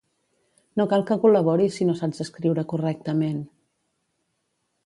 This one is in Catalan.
No cal que col•laboris si no saps escriure correctament